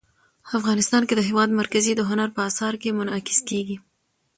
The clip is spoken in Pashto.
افغانستان کې د هېواد مرکز د هنر په اثار کې منعکس کېږي.